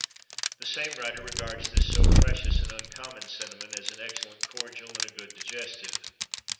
[XXIII 76] The same writer regards this so precious and uncommon cinnamon as an excellent cordial and a good digestive.